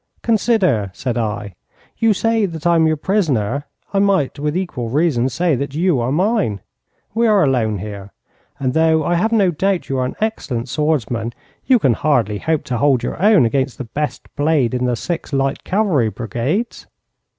'Consider,' said I, 'you say that I am your prisoner. I might with equal reason say that you are mine. We are alone here, and though I have no doubt that you are an excellent swordsman, you can hardly hope to hold your own against the best blade in the six light cavalry brigades.'